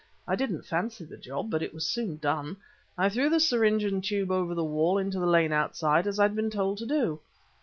I didn't fancy the job, but it was soon done. I threw the syringe and the tube over the wall into the lane outside, as I'd been told to do.